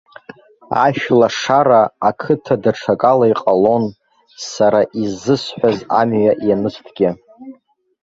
Ашәлашара ақыҭа даҽакала иҟалон, сара иззысҳәаз амҩа ианызҭгьы.